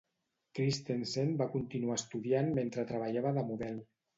Christensen va continuar estudiant mentre treballava de model.